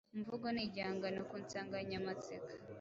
Umuvugo ni igihangano ku nsanganyamatsiko